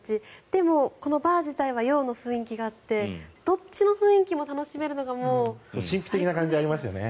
でもこのバー自体は洋の雰囲気があってどっちの雰囲気も楽しめるのがもう最高ですね。